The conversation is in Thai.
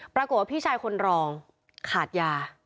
ปรากฏว่าพี่ชายคนรองขาดยา